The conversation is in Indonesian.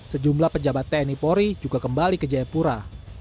sejumlah pejabat tni polri juga kembali ke jayapura